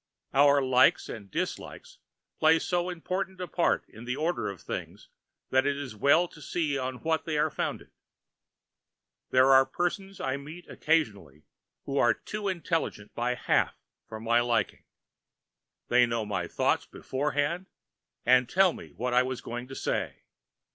Our likes and dislikes play so important a part in the order of things that it is well to see on what they are founded. There are persons I meet occasionally who are too intelligent by half for my liking. They know my thoughts beforehand, and tell me what I was going to say.